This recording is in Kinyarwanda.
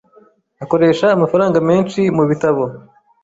Akoresha amafaranga menshi mubitabo .